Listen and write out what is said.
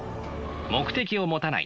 目的を持たない。